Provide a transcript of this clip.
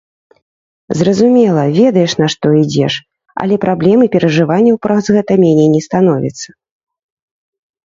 Зразумела, ведаеш, на што ідзеш, але праблем і перажыванняў праз гэта меней не становіцца.